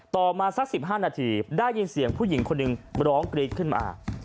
ต่อมาสัก๑๕นาทีได้ยินเสียงผู้หญิงคนหนึ่งร้องกรี๊ดขึ้นมา